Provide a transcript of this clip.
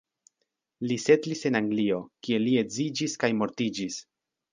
Li setlis en Anglio, kie li edziĝis kaj mortiĝis.